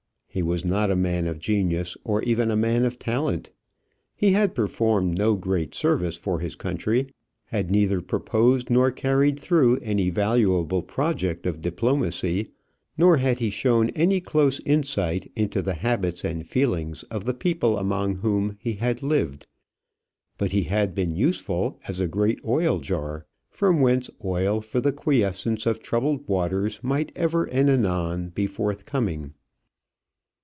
He was not a man of genius, or even a man of talent. He had performed no great service for his country; had neither proposed nor carried through any valuable project of diplomacy; nor had he shown any close insight into the habits and feelings of the people among whom he had lived. But he had been useful as a great oil jar, from whence oil for the quiescence of troubled waters might ever and anon be forthcoming.